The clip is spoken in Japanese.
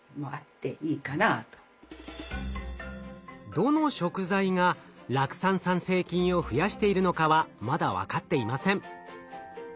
どの食材が酪酸産生菌を増やしているのかはまだ分かっていません。